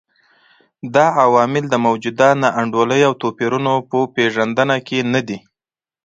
دا عوامل د موجوده نا انډولۍ او توپیرونو په پېژندنه کې نه دي.